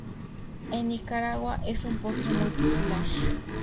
En Nicaragua es un postre muy popular.